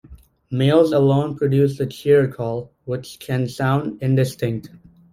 Males alone produce the "cheer" call, which can sound indistinct.